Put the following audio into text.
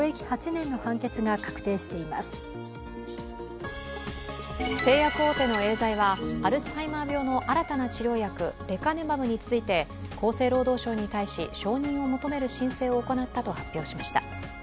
母親の藍受刑者は保護責任者遺棄致死の罪で製薬大手のエーザイはアルツハイマー病の新たな治療薬・レカネマブについて厚生労働省に対し、承認を求める申請を行ったと発表しました。